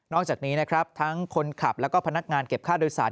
จากนี้นะครับทั้งคนขับแล้วก็พนักงานเก็บค่าโดยสาร